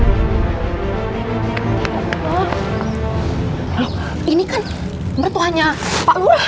lu ini kan bertuahnya pak lura